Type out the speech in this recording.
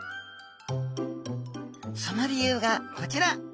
その理由がこちら。